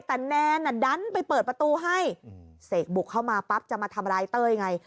แต่แนนอ่ะดันไปเปิดประตูให้เสกบุกเข้ามาปั๊บจะมาทำร้ายเต้ยไง